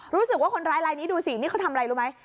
รู้สึกว่าคนร้ายลายนี้ดูสินี่เขาทำอะไรรู้ไหม